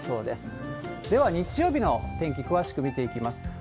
では日曜日の天気、詳しく見ていきます。